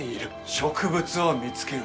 植物を見つける。